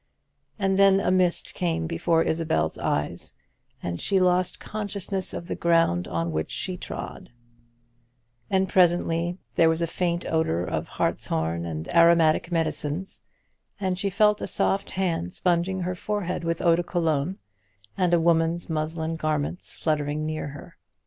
And then a mist came before Isabel's eyes, and she lost consciousness of the ground on which she trod; and presently there was a faint odour of hartshorn and aromatic medicines, and she felt a soft hand sponging her forehead with eau de Cologne, and a woman's muslin garments fluttering near her.